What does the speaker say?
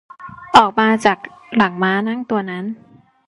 ออกมาจากหลังม้านั่งตัวนั้น